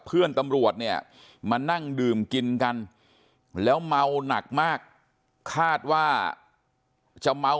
เพื่อนตำรวจเนี่ยมานั่งดื่มกินกันแล้วเมาหนักมากคาดว่าจะเมา